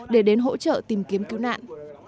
để đến hỗ trợ tìm kiếm cứu nạn